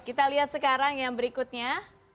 kita lihat sekarang yang berikutnya